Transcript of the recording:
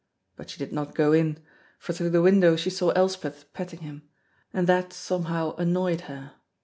But she did not go in, for through the window she saw Elspeth petting him, and that somehow annoyed her.